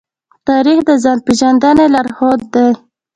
تاریخ د ځان پېژندنې لارښود دی.